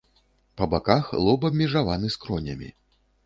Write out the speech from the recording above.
Па баках лоб абмежаваны скронямі.